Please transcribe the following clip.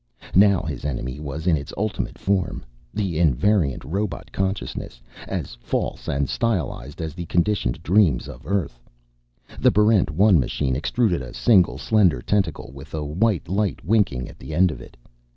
Now his enemy was in its ultimate form: the invariant robot consciousness, as false and stylized as the conditioned dreams of Earth. The Barrent 1 machine extruded a single slender tentacle with a white light winking at the end of it.